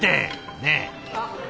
ねえ！